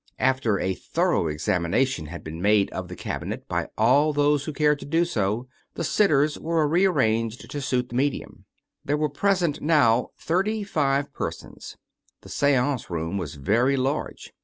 After a thorough examination had been made of the cabinet by all those who cared to do so, the sitters were rearranged to suit the medium. There were present now thirty five per sons. The seance room was very large.